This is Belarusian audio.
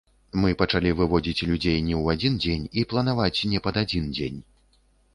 Мы пачалі выводзіць людзей не ў адзін дзень і планаваць не пад адзін дзень.